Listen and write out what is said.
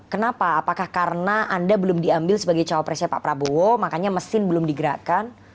kenapa apakah karena anda belum diambil sebagai cowok presnya pak prabowo makanya mesin belum digerakkan